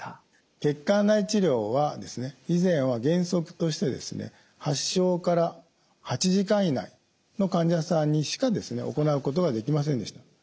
血管内治療は以前は原則としてですね発症から８時間以内の患者さんにしか行うことができませんでした。